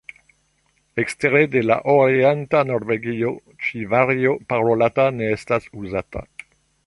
Ekstere de la orienta Norvegio ĉi vario parolata ne estas uzata.